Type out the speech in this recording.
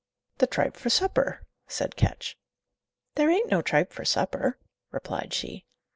"The tripe for supper," said Ketch. "There ain't no tripe for supper," replied she.